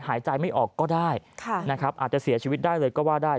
หายใจไม่ออกก็ได้นะครับอาจจะเสียชีวิตได้เลยก็ว่าได้